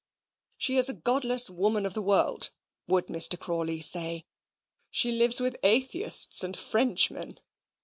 "She is a godless woman of the world," would Mr. Crawley say; "she lives with atheists and Frenchmen.